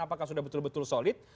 apakah sudah betul betul solid